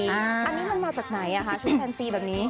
เราของนี้มันมาจากไหน